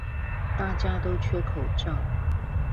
大家都缺口罩